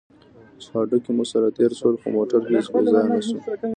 چې هډوکي مو سره تېر شول، خو موټر هېڅ بې ځایه نه شو.